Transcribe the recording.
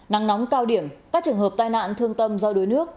nắng nóng cao điểm các trường hợp tai nạn thương tâm do đuối nước